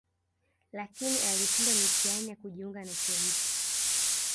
Lakini alishindwa mitihani ya kujiunga na chuo hicho